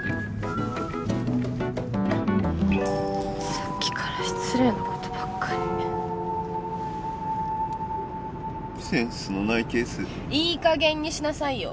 さっきから失礼なことばっかりセンスのないケースいい加減にしなさいよ